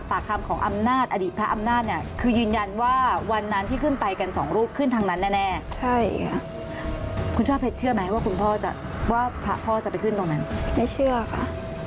อันนี้คือวันนั้นที่ขึ้นไปกันสองรูปขึ้นทางนั้นแน่ใช่ค่ะคุณเจ้าเพชรเชื่อไหมว่าคุณพ่อจะว่าพระพ่อจะไปขึ้นตรงนั้นไม่เชื่อค่ะ